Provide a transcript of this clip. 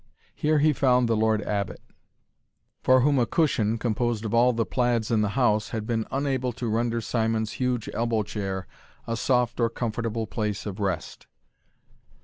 Here he found the Lord Abbot, for whom a cushion, composed of all the plaids in the house, had been unable to render Simon's huge elbow chair a soft or comfortable place of rest.